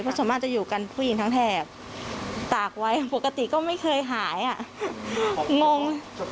เพราะส่วนมากจะอยู่กันผู้หญิงทั้งแถบตากไว้ปกติก็ไม่เคยหายอ่ะงง